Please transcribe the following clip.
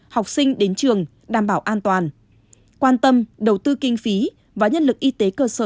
học sinh đến trường đảm bảo an toàn quan tâm đầu tư kinh phí và nhân lực y tế cơ sở